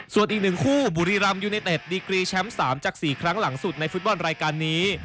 ส่วนอีก๑คู่บุรีรำยูเนเต็ดดีกรีแชมป์๓จาก๔ครั้งหลังสุดในฟุตบอลรายการนี้